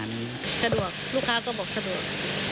สะดวกลูกค้าก็บอกสะดวก